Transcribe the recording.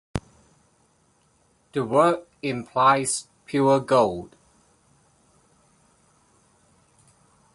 The word implies "pure gold".